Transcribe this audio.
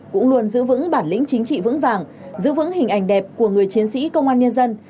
cũng luôn giữ vững bản lĩnh chính trị vững vàng giữ vững hình ảnh đẹp của người chiến sĩ công an nhân dân